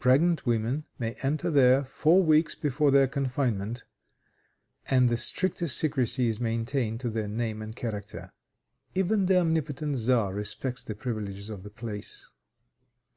Pregnant women may enter there four weeks before their confinement, and the strictest secrecy is maintained as to their name and character. Even the omnipotent Czar respects the privileges of the place.